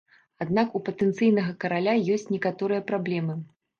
Аднак у патэнцыйнага караля ёсць некаторыя праблемы.